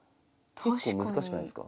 結構難しくないすか？